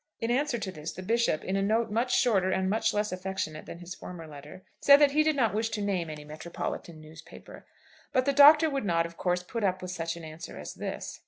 In answer to this the Bishop, in a note much shorter and much less affectionate than his former letter, said that he did not wish to name any metropolitan newspaper. But the Doctor would not, of course, put up with such an answer as this.